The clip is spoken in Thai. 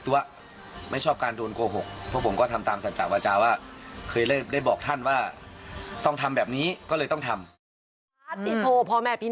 วันนี้ก็เลยต้องทำ